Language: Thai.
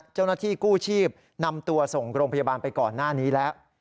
เจ้าหน้าที่กู้ชีพนำตัวส่งโรงพยาบาลไปก่อนหน้านี้แล้ว